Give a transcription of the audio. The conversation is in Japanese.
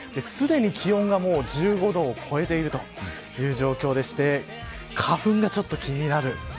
すでに気温が１５度を超えているという状況でして花粉がちょっと気になる。